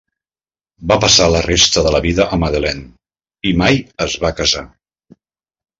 Va passar la resta de la vida a Magdalene i mai es va casar.